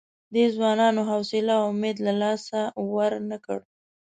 دې ځوانانو حوصله او امید له لاسه ورنه کړ.